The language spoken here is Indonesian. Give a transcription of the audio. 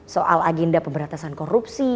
soal agenda pemberantasan korupsi